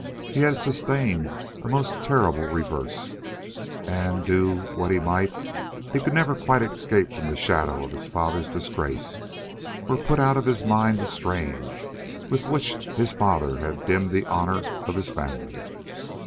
He had sustained a most terrible reverse, and do what he might he could never quite escape from the shadow of his father's disgrace, or put out of his mind the stain with which his father had dimmed the honour of his family.